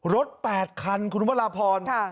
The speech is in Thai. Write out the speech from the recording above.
รถ๘คันคุณพระราพร